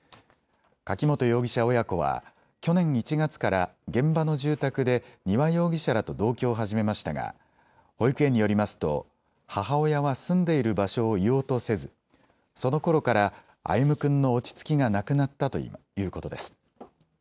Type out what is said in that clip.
柿本容疑者親子は去年１月から現場の住宅で丹羽容疑者らと同居を始めましたが保育園によりますと母親は住んでいる場所を言おうとせずそのころから歩夢君の落ち着きがなくなったということです。